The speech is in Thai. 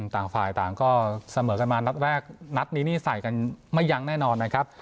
ต่างฝ่ายต่างก็เสมอกันมานัดแรกนัดนี้นี่ใส่กันไม่ยั้งแน่นอนนะครับ